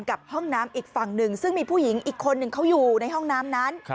กับห้องน้ำอีกฝั่งหนึ่งซึ่งมีผู้หญิงอีกคนหนึ่งเขาอยู่ในห้องน้ำนั้น